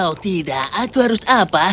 oh tidak aku harus apa